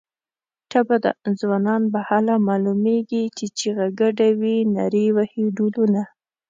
ټپه ده: ځوانان به هله معلومېږي چې چیغه ګډه وي نري وهي ډولونه